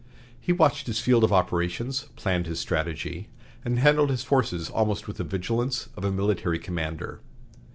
He watched his field of operations, planned his strategy, and handled his forces almost with the vigilance of a military commander.